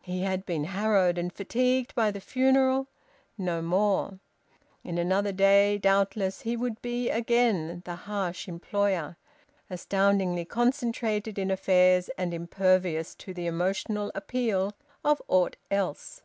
He had been harrowed and fatigued by the funeral; no more. In another day, doubtless, he would be again the harsh employer astoundingly concentrated in affairs and impervious to the emotional appeal of aught else.